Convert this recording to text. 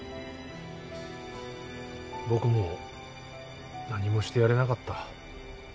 僕も何もしてやれなかった。